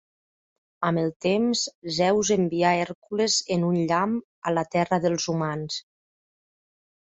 Amb el temps Zeus envia Hèrcules, en un llamp, a la terra dels humans.